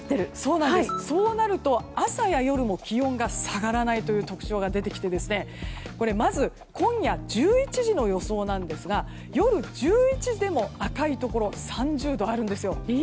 そうなると朝や夜も気温が下がらないという特徴が出てきて、まず今夜１１時の予想なんですが夜１１時でも赤いところ３０度あるんですよ。